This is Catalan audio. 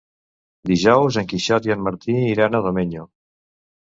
Dijous en Quixot i en Martí iran a Domenyo.